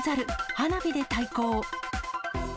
花火で対抗。